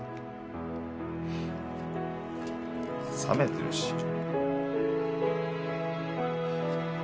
冷めてるし。